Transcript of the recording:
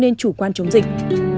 nên chủ quan chống dịch